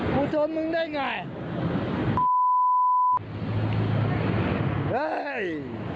ชนมึงได้ไง